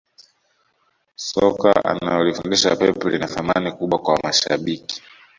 soka analolifundisha pep lina thamani kubwa kwa mashabiki